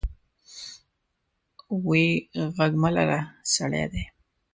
وې غږ مه لره سړي دي.